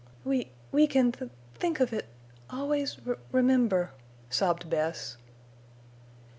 "We—we can—th—think of it—always—re—remember," sobbed Bess.